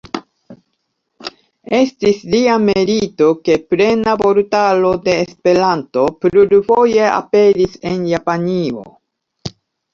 Estis lia merito ke Plena Vortaro de Esperanto plurfoje aperis en Japanio.